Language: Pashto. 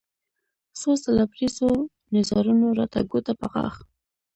سوز د لبرېزو نيزارونو راته ګوته په غاښ